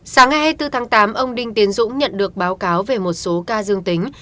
sáng ngày hai mươi bốn tháng tám ông đinh tiến dũng nhận được báo cáo về một số ca dương tính